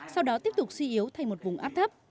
sau đó tiếp tục suy yếu thành một vùng áp thấp